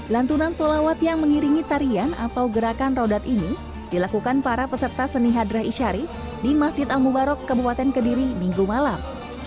lantunan solawat yang mengiringi tarian atau gerakan rodat ini dilakukan para peserta seni hadrah isyari di masjid al mubarok kabupaten kediri minggu malam